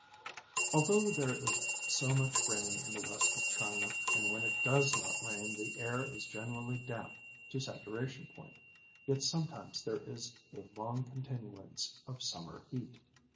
Although there is so much rain in the west of China, and when it does not rain the air is generally damp to saturation point, yet sometimes there is a long continuance of summer heat.